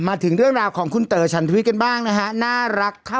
มาถึงเรื่องราวของคุณเตอะชันทวิทช์กันบ้างนะคะ